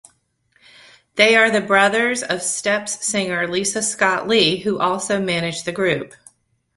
They are the brothers of Steps singer Lisa Scott-Lee, who also managed the group.